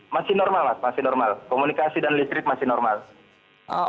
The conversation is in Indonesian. masih normal mas masih normal komunikasi dan listrik masih normal